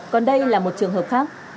còn đây là một trường hợp khác